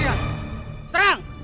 kita sudah berhenti